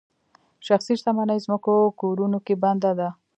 شخصي شتمني ځمکو کورونو کې بنده ده.